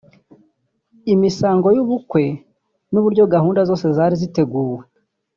imisango y’ubukwe n’uburyo gahunda zose zari ziteguwe